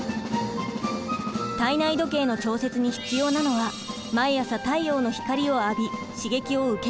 体内時計の調節に必要なのは毎朝太陽の光を浴び刺激を受けること。